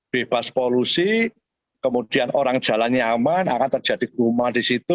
bebas polusi kemudian orang jalan nyaman akan terjadi kuma di situ